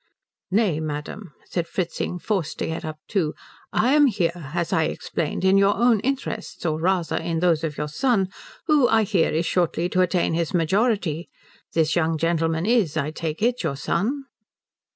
"Nay, madam," said Fritzing, forced to get up too, "I am here, as I explained, in your own interests or rather in those of your son, who I hear is shortly to attain his majority. This young gentleman is, I take it, your son?"